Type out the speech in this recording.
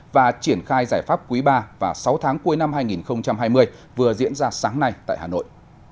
và triển khai giải pháp quý ba và sáu tháng cuối năm hai nghìn hai mươi vừa diễn ra sáng nay tại hà nội